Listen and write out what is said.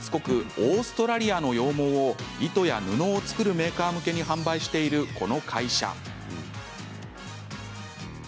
オーストラリアの羊毛を糸や布を作るメーカー向けに販売している、この会社。